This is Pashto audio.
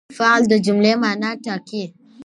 فعل د جملې مانا ټاکي.